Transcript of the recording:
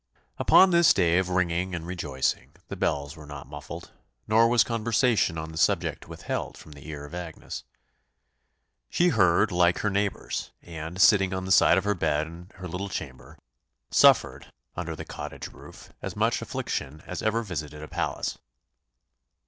Upon this day of ringing and rejoicing the bells were not muffled, nor was conversation on the subject withheld from the ear of Agnes! She heard like her neighbours; and sitting on the side of her bed in her little chamber, suffered, under the cottage roof, as much affliction as ever visited a palace.